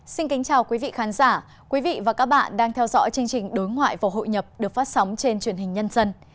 xin kính chào quý vị khán giả quý vị và các bạn đang theo dõi chương trình đối ngoại và hội nhập được phát sóng trên truyền hình nhân dân